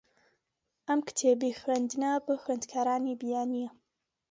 ئەم کتێبی خوێندنە بۆ خوێندکارانی بیانییە.